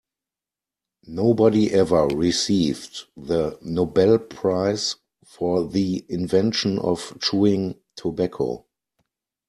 Nobody ever received the Nobel prize for the invention of chewing tobacco.